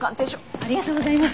ありがとうございます。